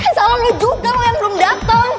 kan salah lo juga yang belum dateng